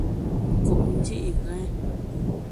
Nkup ndi’ ghèn.